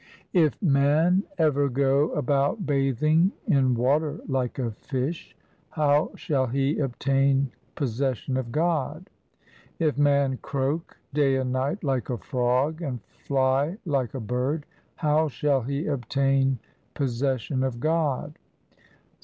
312 THE SIKH RELIGION If man ever go about bathing in water like a fish, how shall he obtain possession of God ? If man croak day and night like a frog and fly like a bird, how shall he obtain possession of God